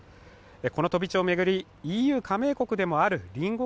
この飛び地を巡りＥＵ加盟国でもある隣国